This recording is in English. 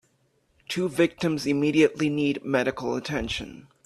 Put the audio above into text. Two victims immediately need medical attention.